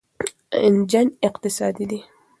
انجن اقتصادي و.